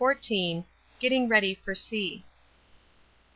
GETTING READY FOR SEA.